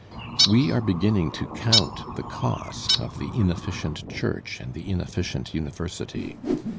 We are begin ning to count the cost of the inefficient church and the ineffi cient university.